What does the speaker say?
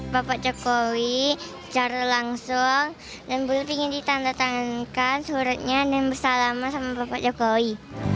bapak jokowi secara langsung dan belum ingin ditandatangankan suratnya dan bersalaman sama bapak jokowi